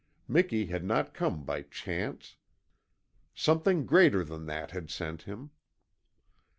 Miki had not come by chance. Something greater than that had sent him.